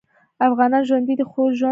افغانان ژوندي دې خو ژوند نکوي